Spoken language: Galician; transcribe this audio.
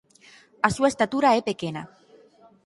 A súa estatura é pequena.